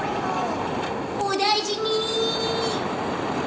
おだいじに。